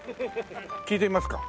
聞いてみますか。